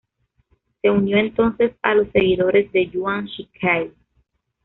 Se unió entonces a los seguidores de Yuan Shikai.